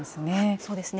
そうですね。